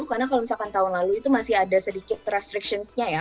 karena kalau misalkan tahun lalu itu masih ada sedikit restriksensinya ya